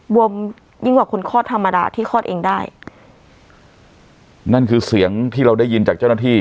บวมยิ่งกว่าคนคลอดธรรมดาที่คลอดเองได้นั่นคือเสียงที่เราได้ยินจากเจ้าหน้าที่